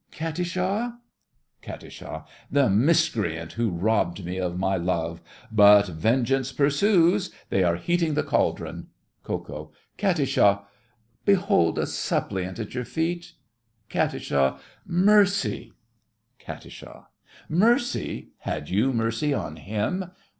Katisha! KAT. The miscreant who robbed me of my love! But vengeance pursues—they are heating the cauldron! KO. Katisha—behold a suppliant at your feet! Katisha—mercy! KAT. Mercy? Had you mercy on him?